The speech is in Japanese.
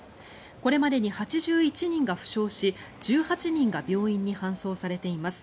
これまでに８１人が負傷し１８人が病院に搬送されています。